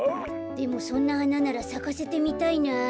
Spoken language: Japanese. でもそんなはなならさかせてみたいなあ。